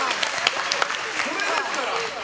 それですから。